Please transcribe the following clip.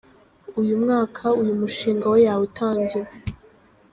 uyu mwaka uyu mushinga we yawutangira.